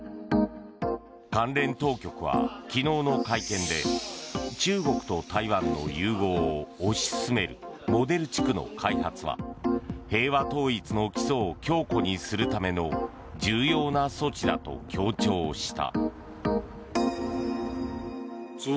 関連当局は昨日の会見で中国と台湾の融合を推し進めるモデル地区の開発は平和統一の基礎を強固にするための重要な措置だと強調した。